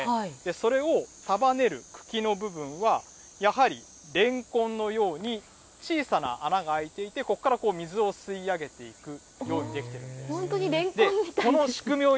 それを束ねる茎の部分は、やはりレンコンのように小さな穴が開いていて、ここから水を吸い上げて本当にレンコンみたいですね。